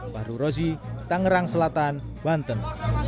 pak rurozi tangerang selatan banten